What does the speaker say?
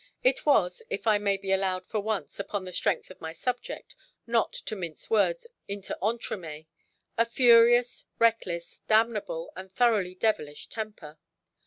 It was, if I may be allowed for once, upon the strength of my subject, not to mince words into entremets—a furious, reckless, damnable, and thoroughly devilish temper.